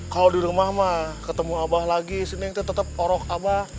kalau di rumah mah ketemu abah lagi si neng tuh tetep orang abah